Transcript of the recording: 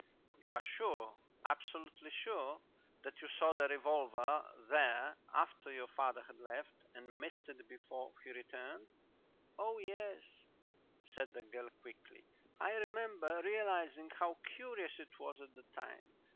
"You are sure, absolutely sure, that you saw the revolver there after your father had left, and missed it before he returned?" "Oh yes," said the girl quickly; "I remember realizing how curious it was at the time.